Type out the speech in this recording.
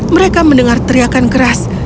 mereka mendengar teriakan keras